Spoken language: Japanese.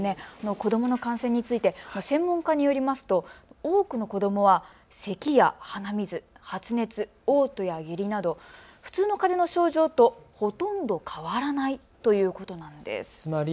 子どもの感染について専門家によりますと、多くの子どもはせきや鼻水、発熱、おう吐や下痢など、普通のかぜの症状とほとんど変わらないということです。